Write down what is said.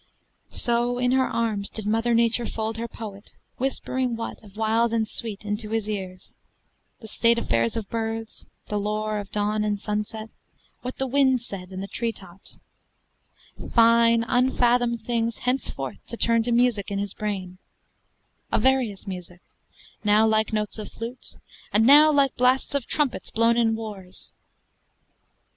So in her arms did Mother Nature fold Her poet, whispering what of wild and sweet Into his ear the state affairs of birds, The lore of dawn and sunset, what the wind Said in the tree tops fine, unfathomed things Henceforth to turn to music in his brain: A various music, now like notes of flutes, And now like blasts of trumpets blown in wars.